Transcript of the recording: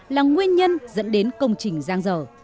là nguyên nhân dẫn đến công trình giang dở